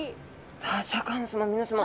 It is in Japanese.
さあシャーク香音さま皆さま。